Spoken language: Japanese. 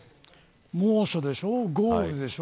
猛暑でしょ、豪雨でしょ。